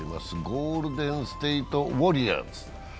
ゴールデンステイトウォリアーズ。